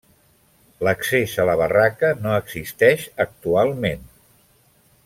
L'accés a la barraca no existeix actualment.